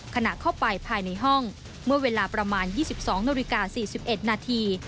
ขนาดเข้าไปภายในห้องเมื่อเวลาประมาณยี่สิบสองนาฬิกาสี่สิบเอ็ดนาที